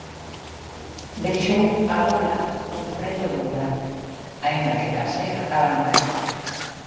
Deixou a bóla moi preto do burato, aínda que case acaba no lago.